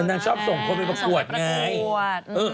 นางชอบส่งคนไปประกวดไง